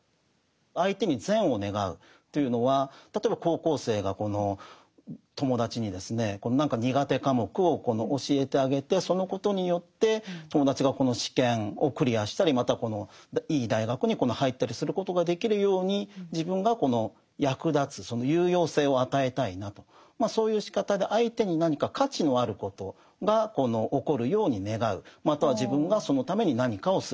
相手に善を願うというのは例えば高校生がこの友達にですね何か苦手科目を教えてあげてそのことによって友達がこの試験をクリアしたりまたいい大学に入ったりすることができるように自分がこの役立つ有用性を与えたいなとそういうしかたでまたは自分がそのために何かをすると。